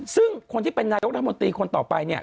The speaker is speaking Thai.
ซึ่งคนที่เป็นนายกรัฐมนตรีคนต่อไปเนี่ย